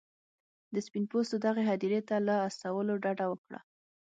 د سپین پوستو دغې هدیرې ته له استولو ډډه وکړه.